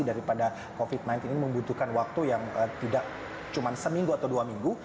daripada covid sembilan belas ini membutuhkan waktu yang tidak cuma seminggu atau dua minggu